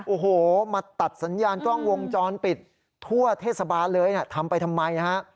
โอ้โหมาตัดสัญญาณกล้องวงจรปิดทั่วเทศบาลเลยทำไปทำไมนะฮะ